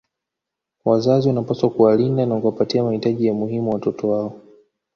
Wazazi wanawapaswa kuwalinda na kuwapatia mahitaji ya muhimu watoto wao